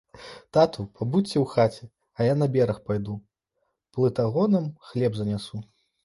Тату, пабудзьце у хаце, а я на бераг пайду, плытагонам хлеб занясу.